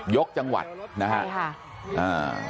ยกจังหวัดนะฮะ